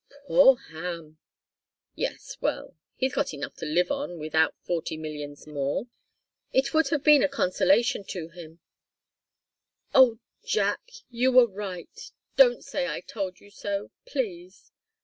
"Poor Ham!" "Yes well he's got enough to live on without forty millions more." "It would have been a consolation to him oh Jack! You were right don't say, 'I told you so' please!